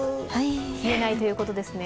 冷えないということですね。